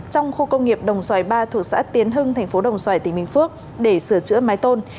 trong khu công nghiệp đồng xoài ba thuộc xã tiến hưng thành phố đồng xoài tỉnh bình phước để sửa chữa mái tôn